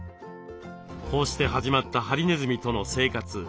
こうして始まったハリネズミとの生活。